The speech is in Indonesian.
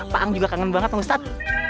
pak ang juga kangen banget ustadz